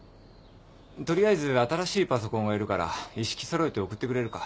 取りあえず新しいパソコンがいるから一式揃えて送ってくれるか？